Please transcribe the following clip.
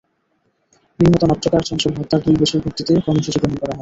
নিহত নাট্যকার চঞ্চল হত্যার দুই বছর পূর্তিতে কর্মসূচি গ্রহণ করা হয়।